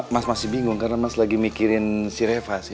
mas masih bingung karena mas lagi mikirin sireva sih